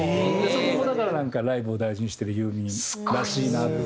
そこもだからなんかライブを大事にしてるユーミンらしいなっていう。